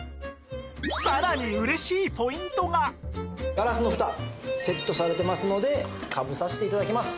ガラスのフタセットされてますのでかぶさせて頂きます。